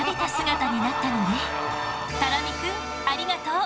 たら実くんありがとう。